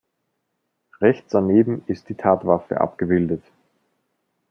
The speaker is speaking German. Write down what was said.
Rechts daneben ist Tatwaffe abgebildet.